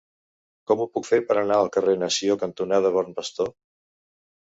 Com ho puc fer per anar al carrer Nació cantonada Bon Pastor?